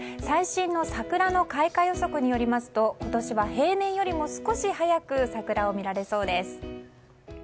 最新の桜の開花予測によりますと今年は平年よりも少し早く桜を見られそうです。